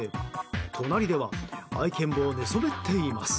隣では愛犬も寝そべっています。